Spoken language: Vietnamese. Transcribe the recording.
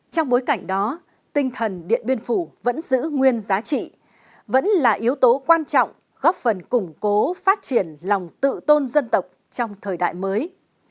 trong bối cảnh đó tinh thần điện biên phủ vẫn giữ nguyên giá trị vẫn là yếu tố quan trọng góp phần củng cố phát triển lòng tự tôn dân tộc trong thời đại mới